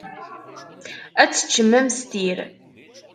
Ad teččed amestir?